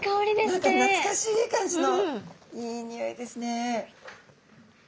何かなつかしい感じのいいにおいですね。